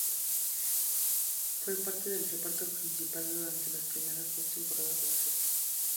Fue parte del reparto principal durante las primeras dos temporadas de la serie.